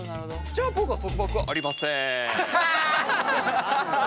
じゃあ僕は束縛はありません！